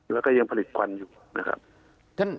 แล้วก็ยังผลิตควันอยู่นะครับ